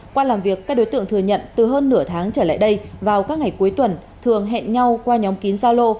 qua làm việc các đối tượng thừa nhận từ hơn nửa tháng trở lại đây vào các ngày cuối tuần thường hẹn nhau qua nhóm kín gia lô